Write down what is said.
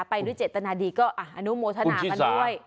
ไปด้วยเจตนาดีก็อนุโมทนากันด้วย